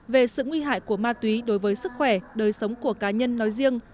về sự nguy hại của ma túy đối với sức khỏe đời sống của cá nhân nói riêng